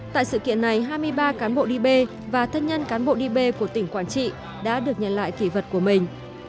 tại sự kiện này hai mươi ba cán bộ db và thân nhân cán bộ db của tỉnh quảng trị đã được nhận lại kỷ vật của mình